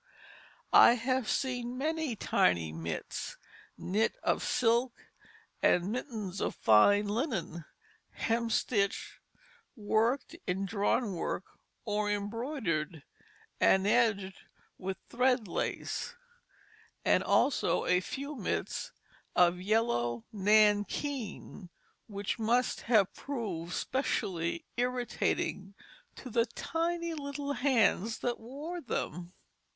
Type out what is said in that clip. I have seen many tiny mitts knit of silk and mittens of fine linen, hemstitched, worked in drawn work or embroidered, and edged with thread lace, and also a few mitts of yellow nankeen which must have proved specially irritating to the tiny little hands that wore them.